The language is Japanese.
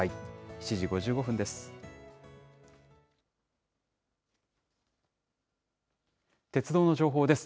７時５５分です。